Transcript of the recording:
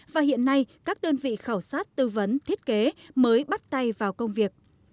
và hiện nay các đơn vị khảo sát tư vấn thiết kế mới bắt tay vào công việc